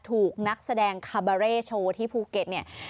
ถูกนักแสดงคาบาเร่โชว์ที่ภูเก็ตเนี่ย